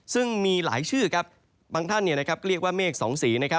ซึ่งมีหลายชื่อครับบางท่านเรียกว่าเมฆสองสี